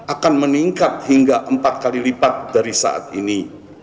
akan meningkat hingga empat kali lipat dari saat ini